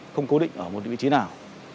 không cố định ở một vị trí nào